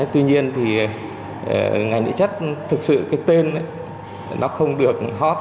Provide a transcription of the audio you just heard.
tuy nhiên thì ngành điện chất thực sự cái tên nó không được hot